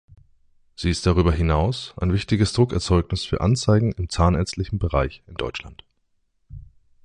Sie ist darüber hinaus ein wichtiges Druckerzeugnis für Anzeigen im zahnärztlichen Bereich in Deutschland.